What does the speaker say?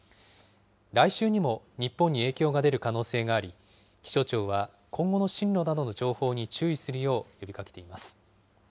来週にも日本に影響が出る可能性があり、気象庁は、今後の進路などの情報に注意するよう呼びかけています。